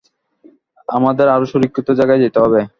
আমাদের আরো সুরক্ষিত জায়গায় যেতে হবে।